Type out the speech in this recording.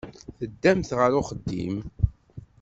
Teddamt ɣer uxeddim.